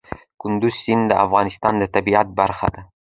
کندز سیند د افغانستان د طبیعت برخه ده.